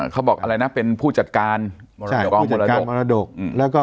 เขาบอกอะไรนะเป็นผู้จัดการมรกองมรดกมรดก